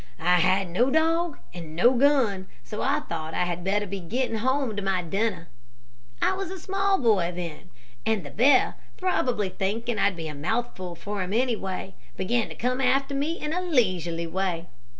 I had no dog and no gun, so I thought I had better be getting home to my dinner. I was a small boy then, and the bear, probably thinking I'd be a mouthful for him anyway, began to come after me in a leisurely way.